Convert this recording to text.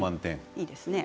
いいですね。